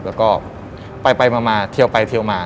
แล้วก็ไปมาเทียวไปเทียวมา